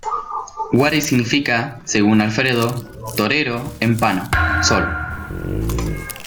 Wari significa, según Alfredo Torero, en pano: Sol.